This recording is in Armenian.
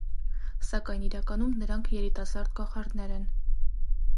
Սակայն իրականում նրան երիտասարդ կախարդներ են։